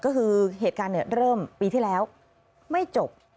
ก็คือเหตุการณ์เริ่มปีที่แล้วไม่จบ